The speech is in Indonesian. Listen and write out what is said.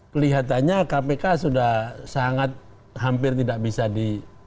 kelihatannya kpk sudah sangat hampir tidak bisa di